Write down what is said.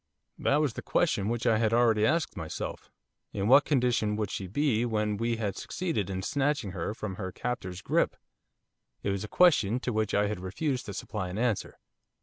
That was the question which I had already asked myself, in what condition would she be when we had succeeded in snatching her from her captor's grip? It was a question to which I had refused to supply an answer.